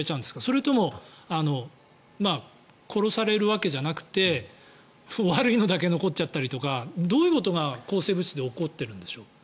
それとも殺されるわけじゃなくて悪いのだけ残っちゃったりとかどういうことが抗生物質で起こってるんでしょうか。